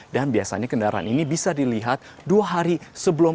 dan biasanya kendaraan ini bisa dilihat dua hari lalu dan bisa dikira kira biaya perbaikannya